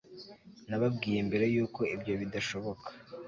nababwiye mbere yuko ibyo bidashoboka